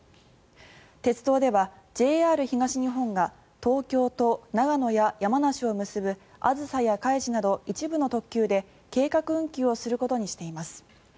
鉄道ではＪＲ東日本が東京と長野や山梨を結ぶあずさやかいじなど一部の特急で計画運休をすることにしています。